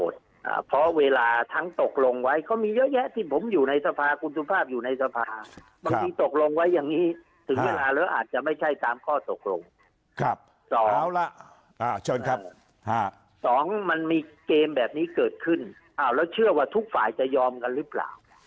สองมันมีเกมแบบนี้เกิดขึ้นแล้วเชื่อว่าทุกฝ่ายจะยอมกันหรือเปล่า